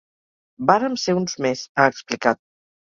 Vàrem ser uns més, ha explicat.